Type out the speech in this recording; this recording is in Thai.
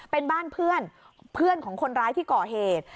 เป็นบ้านเพื่อนเพื่อนของคนร้ายที่ก่อเหตุ